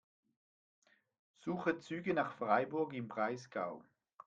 Suche Züge nach Freiburg im Breisgau.